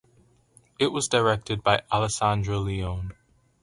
It was directed by Alessandra Leone.